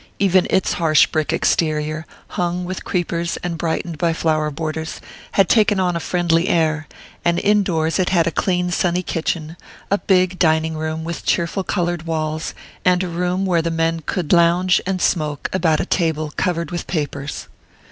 Even its harsh brick exterior, hung with creepers and brightened by flower borders, had taken on a friendly air; and indoors it had a clean sunny kitchen, a big dining room with cheerful coloured walls, and a room where the men could lounge and smoke about a table covered with papers.